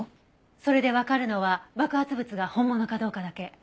それでわかるのは爆発物が本物かどうかだけ。